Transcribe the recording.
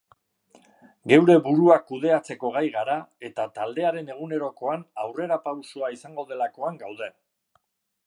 Geure burua kudeatzeko gai gara, eta taldearen egunerokoan aurrerapausoa izango delakoan gaude.